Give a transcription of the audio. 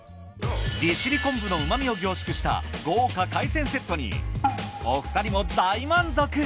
利尻昆布の旨みを凝縮した豪華海鮮セットにお二人も大満足。